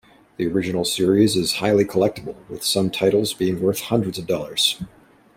The original series is highly collectible, with some titles being worth hundreds of dollars.